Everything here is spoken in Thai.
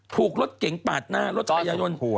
ถูกรถเก่งปากหน้ารถจักรยานยนต์